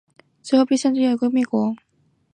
之后被上级魔族率领不死者军团灭国。